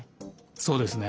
そうですね。